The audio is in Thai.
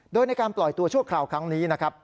โดยในการปล่อยตัวชั่วคราวครั้งนี้นะครับ